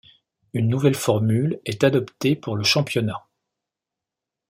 Une nouvelle formule est adoptée pour le championnat.